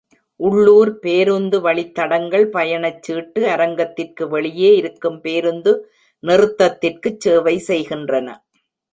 உள்ளூர் பேருந்து வழித்தடங்கள் பயணச்சீட்டு அரங்கத்திற்கு வெளியே இருக்கும் பேருந்து நிறுத்தத்திற்குச் சேவை செய்கின்றன.